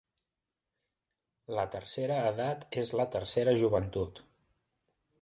La tercera edat és la tercera joventut.